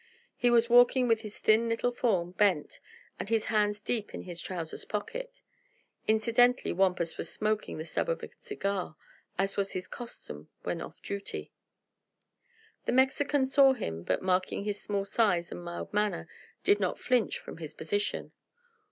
He was walking with his thin little form bent and his hands deep in his trousers pockets. Incidentally Wampus was smoking the stub of a cigar, as was his custom when off duty. The Mexican saw him, but marking his small size and mild manner did not flinch from his position.